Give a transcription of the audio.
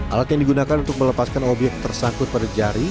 alat yang digunakan untuk melepaskan obyek tersangkut pada jari